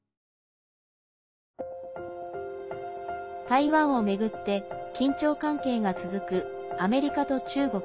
台湾を巡って緊張関係が続くアメリカと中国。